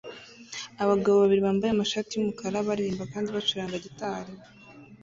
Abagabo babiri bambaye amashati yumukara baririmba kandi bacuranga gitari